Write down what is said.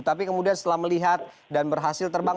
tapi kemudian setelah melihat dan berhasil terbang